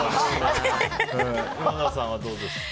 今田さんはどうですか？